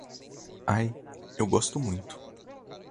Ai, eu gosto muito